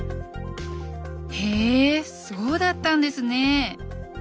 へえそうだったんですね！